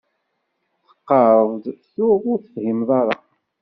Teqqareḍ-d tuɣ ur tefhimeḍ ara.